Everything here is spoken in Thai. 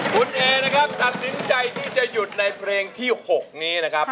คุณเอนะครับตัดสินใจที่จะหยุดในเพลงที่๖นี้นะครับ